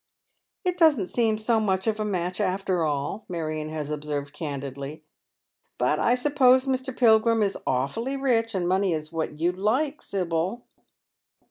" It doesn't seem so much of a match after all," Marion has observed candidly. " But I suppose this Mr. Pilgrim is awfully rich, and money is what you like, Sibyl.